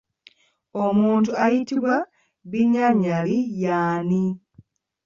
Omuntu ayitibwa “Binyanyali" y'ani?